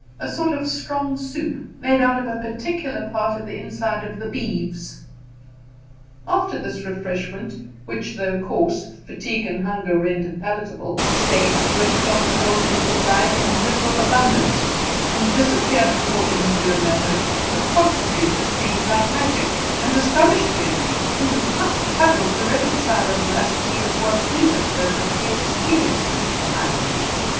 ] a sort of strong soup, made out of a particular part of the inside of the beeves. After this refreshment, which, though coarse, fatigue and hunger rendered palatable, steaks, roasted on the coals, were supplied in liberal abundance, and disappeared before Evan Dhu and their host with a promptitude that seemed like magic, and astonished Waverley, who was much puzzled to reconcile their voracity with what he had heard of the abstemiousness of the Highlanders.